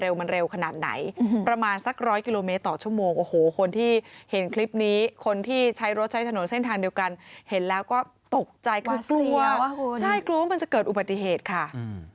แล้วก็ตกใจกลับกลัวว่าจะเกิดอุบัติเหตุค่ะ